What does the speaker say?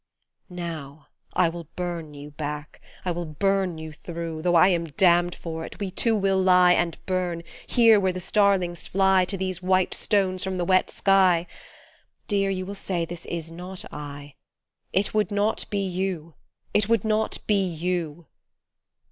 Now I will burn you back, I will burn you through, Though I am damned for it we two will lie And burn, here where the starlings fly To these white stones from the wet sky ; Dear, you will say this is not I It would not be you, it would not be you